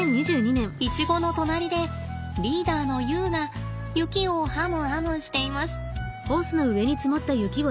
イチゴの隣でリーダーのユウが雪をハムハムしています。